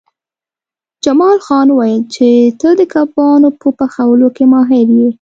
جمال خان وویل چې ته د کبابونو په پخولو کې ماهر یې